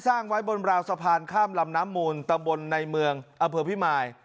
สร้างไว้บนราวสะพานข้ามลำน้ำมูลตำบลในเมืองอเภอพิมาย